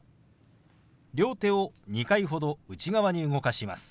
両手を２回ほど内側に動かします。